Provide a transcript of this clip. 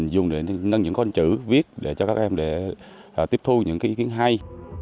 dùng để nâng những con chữ viết để cho các em để tiếp thu những ý kiến hay